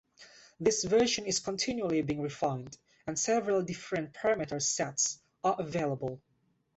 This version is continually being refined and several different parameter sets are available.